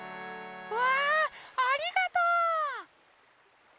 うわありがとう！